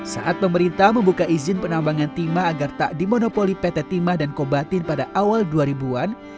saat pemerintah membuka izin penambangan timah agar tak dimonopoli pt timah dan kobatin pada awal dua ribu an